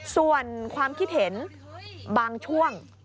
ส่วนความคิดเห็นบางช่วง